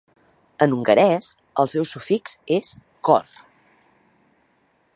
En hongarès, el seu sufix és "-kor".